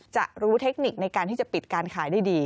จะรู้เทคนิคในการที่จะปิดการขายได้ดี